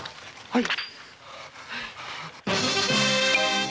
はい。